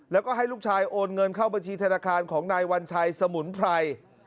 แล้วก็ให้ลูกชายโอนเงินเข้าบัญชีธนาคารของนายวัญชัยสมุนไพร